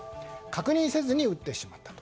確認せずに撃ってしまった。